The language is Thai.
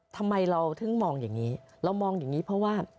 ทำไมเราถึงมองอย่างนี้เรามองอย่างนี้เพราะว่า